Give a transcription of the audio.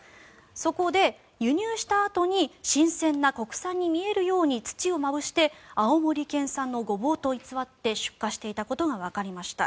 そこで輸入したあとに新鮮な国産に見えるように土をまぶして青森県産のゴボウと偽って出荷していたことがわかりました。